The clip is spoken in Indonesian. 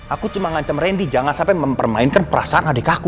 aku cuma ngancam randy jangan sampai mempermainkan perasaan adik aku